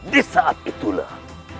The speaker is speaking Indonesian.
di saat itulah